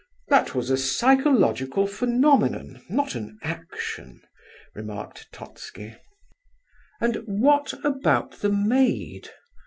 "That was a psychological phenomenon, not an action," remarked Totski. "And what about the maid?"